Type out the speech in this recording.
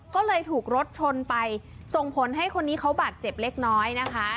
ก็เลยถูกรถชนไปส่งผลให้คนนี้เขาบาดเจ็บเล็กน้อยนะคะ